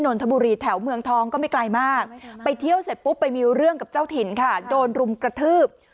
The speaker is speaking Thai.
นทบุรีแถวเมืองทองก็ไม่ไกลมากไปเที่ยวเสร็จปุ๊บไปมีเรื่องกับเจ้าถิ่นค่ะโดนรุมกระทืบ